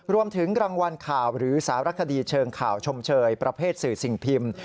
รวมถึงรางวัลข่าวหรือสารคดีเชิงข่าวชมเชยประเภทสื่อสิ่งพิมพ์